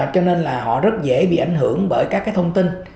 cho nên là họ rất dễ bị ảnh hưởng bởi các thông tin